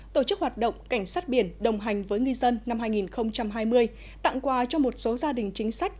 tổ chức hoạt động cảnh sát biển đồng hành với ngư dân năm hai nghìn hai mươi tặng quà cho một số gia đình chính sách